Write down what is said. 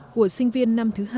của sinh viên năm thứ hai